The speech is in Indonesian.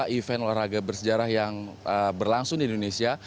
event olahraga bersejarah yang berlangsung di indonesia